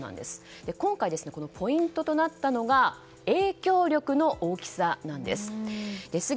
今回、ポイントとなったのが影響力の大きさなんです。